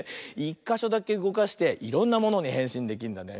１かしょだけうごかしていろんなものにへんしんできるんだね。